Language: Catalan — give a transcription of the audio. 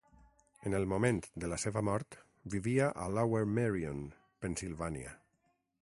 En el moment de la seva mort, vivia a Lower Merion, Pennsilvània.